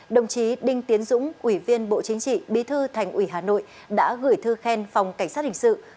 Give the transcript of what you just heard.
đồng chí đinh tiến dũng ủy viên bộ chính trị bí thư thành ủy hà nội đã gửi thư khen phòng cảnh sát hình sự